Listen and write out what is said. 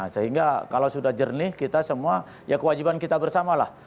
sehingga kalau sudah jernih kita semua ya kewajiban kita bersama lah